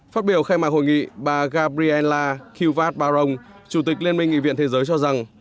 phát biểu khai mạng hội nghị bà gabriela kiuvat barong chủ tịch liên minh nghị viện thế giới cho rằng